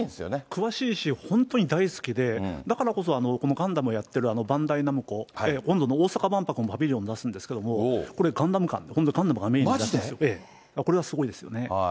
詳しいし、本当に大好きで、だからこそ、ガンダムをやってるバンダイナムコ、今度の大阪万博もパビリオン出すんですけれども、これ、ガンダム館、ガンダムがメインになって、これがすごいですよね。